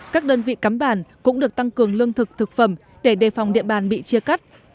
các đơn vị cắm bản cũng được tăng cường lương thực thực phẩm để đề phòng địa bàn bị chia cắt